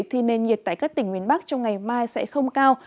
thì nền nhiệt tại các tỉnh nguyên bắc trong ngày mai sẽ không cao